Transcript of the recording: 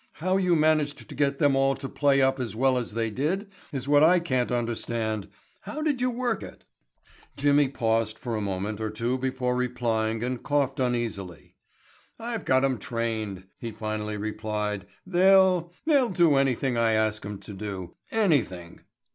How you managed to get them all to play up as well as they did is what I can't understand. How did you work it?" Jimmy paused for a moment or two before replying and coughed uneasily. "I've got 'em trained," he finally replied. "They'll—they'll do anything I ask 'em to do—anything."